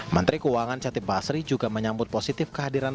menteri keuangan chattib basri juga menyambut positif kehadiran